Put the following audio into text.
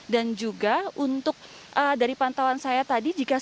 dan juga untuk dari pantauan saya tadi